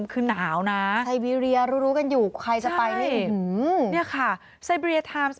คือหนาวนะใช่นี่ค่ะไซเบรียทามส์